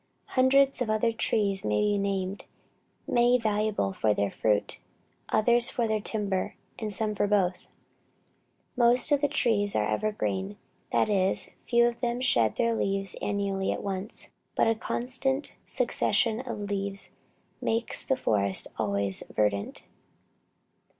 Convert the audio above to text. Hundreds of other trees might be named, many valuable for their fruit, others for their timber, and some for both. Most of the trees are evergreen, that is, few of them shed their leaves annually and at once; but a constant succession of leaves makes the forest always verdant.